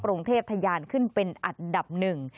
กรุงเทพทะยานขึ้นเป็นอันดับหนึ่ง